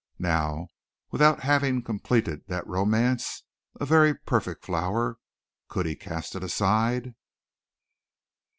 Now, without having completed that romance a very perfect flower could he cast it aside?